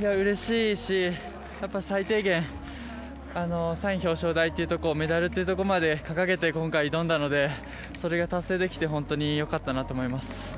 うれしいし、やっぱり最低限、３位表彰台というところ、メダルっていうところまで掲げて今回、挑んだので、それが達成できて、本当によかったなと思います。